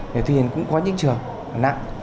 thì tuy nhiên cũng có những trường nặng